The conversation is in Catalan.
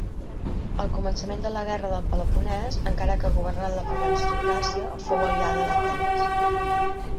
Al començament de la guerra del Peloponès, encara que governada per l'aristocràcia, fou aliada d'Atenes.